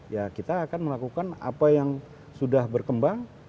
ya kita akan melakukan apa yang sudah berkembang